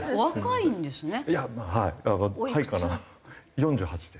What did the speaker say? ４８です。